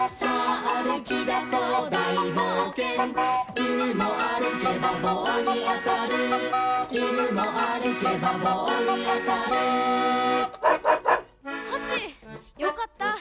よかった。